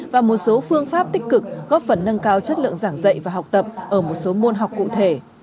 và một số phương pháp tích cực góp phần nâng cao chất lượng giảng dạy và học tập ở một số môn học cụ thể